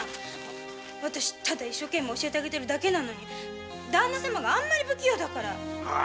私一生懸命に教えて上げてるだけなのにだんな様があんまり不器用だから。